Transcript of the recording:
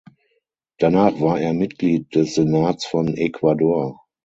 Danach war er Mitglied des Senats von Ecuador.